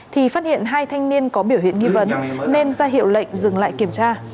thì phát hiện hai thanh niên có biểu hiện nghi vấn nên ra hiệu lệnh dừng lại kiểm tra